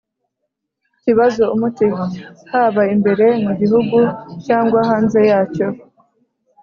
kibazo umuti, haba imbere mu gihugu cyangwa hanze yacyo.